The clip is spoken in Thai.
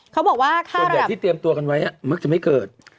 เดี๋ยวที่เตรียมตัวกันไว้มักจะไม่เกิด